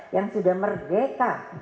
yang sudah merdeka